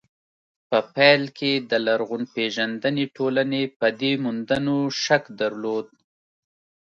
په پيل کې د لرغونپېژندنې ټولنې په دې موندنو شک درلود.